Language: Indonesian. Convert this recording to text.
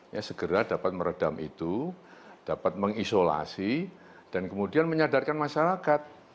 ya segera dapat meredam itu dapat mengisolasi dan kemudian menyadarkan masyarakat